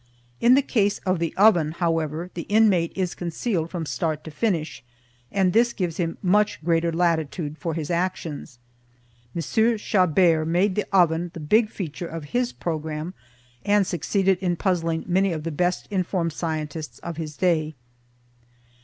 In the case of the oven, however, the inmate is concealed from start to finish, and this gives him much greater latitude for his actions. M. Chabert made the oven the big feature of his programme and succeeded in puzzling many of the best informed scientists of his day.